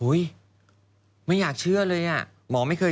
โหยไม่อยากเชื่อเลย